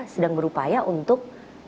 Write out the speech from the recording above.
sedang berupaya untuk